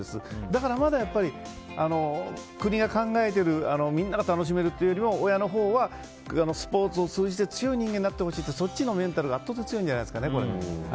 だから、やっぱり国が考えているみんなが楽しめるというよりも親のほうはスポーツを通じて強い人間になってほしいというメンタルが圧倒的に強いですね。